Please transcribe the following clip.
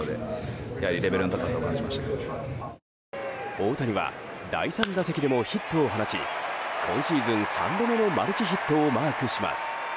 大谷は第３打席でもヒットを放ち今シーズン３度目のマルチヒットをマークします。